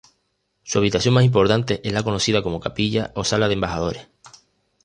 Su habitación más importante es la conocida como capilla o sala de embajadores.